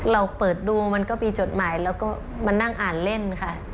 เราเปิดดูมันก็มีจดหมายแล้วก็มานั่งอ่านเล่นค่ะ